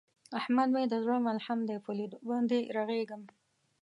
احمد مې د زړه ملحم دی، په لیدو باندې یې رغېږم.